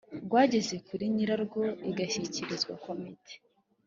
rwageze kuri nyirarwo igashyikirizwa Komite